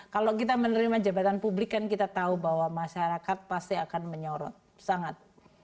kalau kita menerima jabatan publik kan kita tahu bahwa masyarakat pasti akan menyorot sangat